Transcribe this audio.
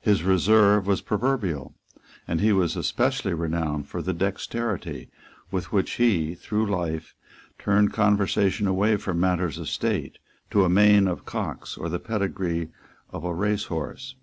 His reserve was proverbial; and he was especially renowned for the dexterity with which he, through life, turned conversation away from matters of state to a main of cocks or the pedigree of a racehorse.